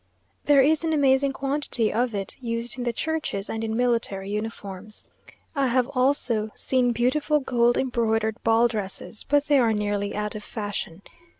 There is an amazing quantity of it used in the churches, and in military uniforms. I have also seen beautiful gold embroidered ball dresses, but they are nearly out of fashion....